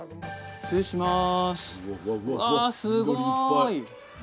失礼します。